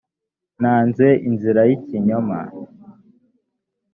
nanze inzira y’ ikinyoma.